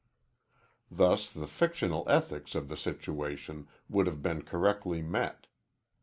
Thus the fictional ethics of the situation would have been correctly met.